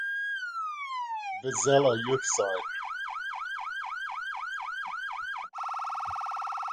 Vizela youth side.